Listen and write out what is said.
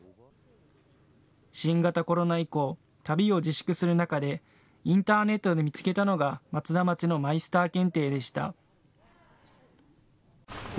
新型コロナ以降、旅を自粛する中でインターネットで見つけたのが松田町のマイスター検定でした。